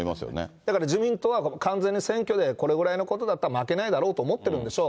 だから自民党は完全に選挙でこのくらいのことだったら負けないだろうと思ってるんでしょう。